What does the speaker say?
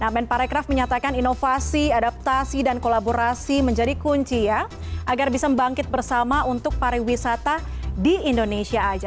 men pariwisata menyatakan inovasi adaptasi dan kolaborasi menjadi kunci agar bisa bangkit bersama untuk pariwisata di indonesia saja